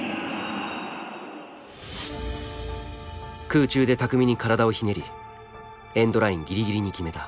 空中で巧みに体をひねりエンドラインギリギリに決めた。